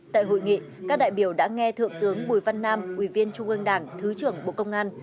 tại hội nghị các đại biểu đã nghe thượng tướng bùi văn nam ubnd thứ trưởng bộ công an